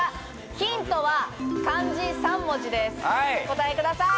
ヒントは漢字３文字ですお答えください。